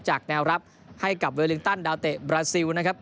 แนวรับให้กับเวลิงตันดาวเตะบราซิลนะครับ